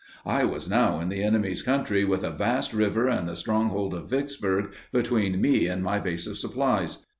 I was now in the enemy's country, with a vast river and the stronghold of Vicksburg between me and my base of supplies.